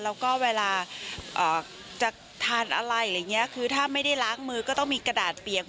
แล้วก็เวลาจะทานอะไรอะไรอย่างนี้คือถ้าไม่ได้ล้างมือก็ต้องมีกระดาษเปียก